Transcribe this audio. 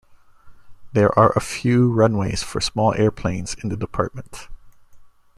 There are a few runways for small airplanes in the department.